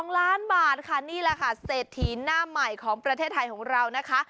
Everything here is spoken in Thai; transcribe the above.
๒ล้านบาทค่ะนี่แหละค่ะเศรษฐีหน้าใหม่ของประเทศไทยของเรานะคะ